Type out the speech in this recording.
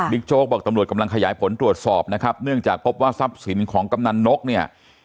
โจ๊กบอกตำรวจกำลังขยายผลตรวจสอบนะครับเนื่องจากพบว่าทรัพย์สินของกำนันนกเนี่ย